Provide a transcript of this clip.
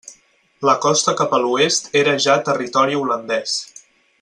La costa cap a l'oest era ja territori holandès.